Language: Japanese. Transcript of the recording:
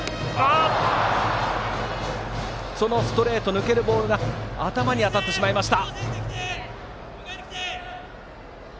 ストレート、抜けるボールが頭に当たってしまいました。